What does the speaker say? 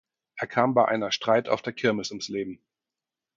Er kam bei einer Streit auf der Kirmes ums Leben.